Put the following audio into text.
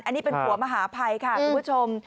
อันนี้เป็นผู้หมาภายคุณผู้ชม